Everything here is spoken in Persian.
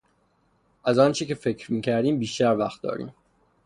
از آنچه که فکر میکردیم بیشتر وقت داریم.